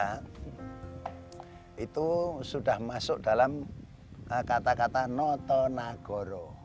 karena itu sudah masuk dalam kata kata noto nagoro